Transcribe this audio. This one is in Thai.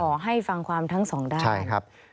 ขอให้ฟังความทั้งสองด้าน